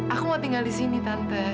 aku mau tinggal di sini tante